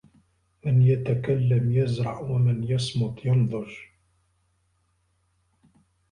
من يتكلم يزرع ومن يصمت ينضج.